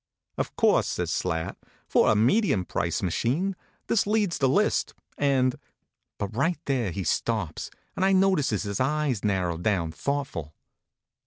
" Of course," says Slat, " for a medium priced machine, this leads the list, and But right there he stops, and I notices his eyes narrow down thoughtful.